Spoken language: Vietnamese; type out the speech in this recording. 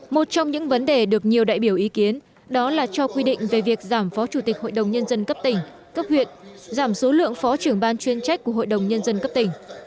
một trong những vấn đề được nhiều đại biểu ý kiến đó là cho quy định về việc giảm phó chủ tịch hội đồng nhân dân cấp tỉnh cấp huyện giảm số lượng phó trưởng ban chuyên trách của hội đồng nhân dân cấp tỉnh